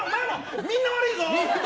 みんな悪いぞ！